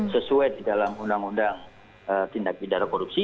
sesuai di dalam undang undang tindak bidara korupsi